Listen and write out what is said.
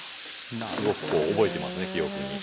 すごく覚えてますね記憶に。